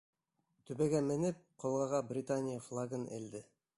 Түбәгә менеп, ҡолғаға Британия флагын элде.